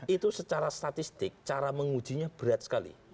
itu secara statistik cara mengujinya berat sekali